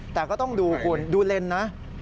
แต่ก็ต้องดูคุณดูเลนส์นะ